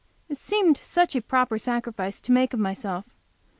It seemed such a proper sacrifice to make of myself.